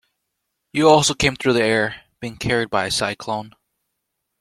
You also came through the air, being carried by a cyclone.